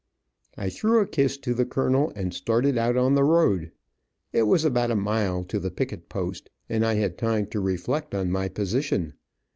I threw a kiss to the colonel and started out on the road. It was about a mile to the picket post, and I had time to reflect on my position.